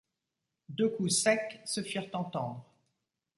Deux coups secs se firent entendre